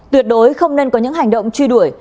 tuyệt đối không nên có những hành động truy đuổi